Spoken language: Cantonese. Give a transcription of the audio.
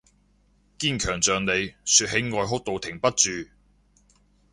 堅強像你，說起愛哭到停不住